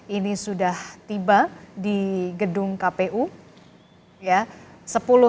ini sudah tiba di gedung kpu